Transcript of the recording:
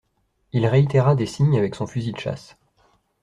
Il réitéra des signes avec son fusil de chasse.